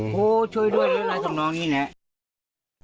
โอ้โฮช่วยด้วยนายทรงน้องนี่เนี่ย